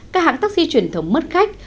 các hãng taxi truyền thống mất khách